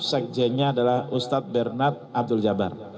sekjennya adalah ustadz bernard abdul jabar